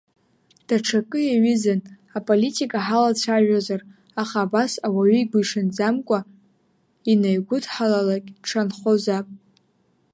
Даҽакы иаҩызан, аполитика ҳалацәажәозар, аха абас ауаҩы игәиҽанӡамкәа инаигәыдҳалалакь дшанхозаап.